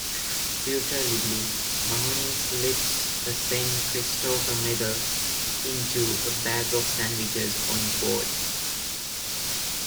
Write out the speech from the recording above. Furtively, Mahoney slips a Saint Christopher medal into a bag of sandwiches on board.